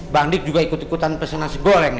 bang dik juga ikut ikutan pesen nasi gorengnya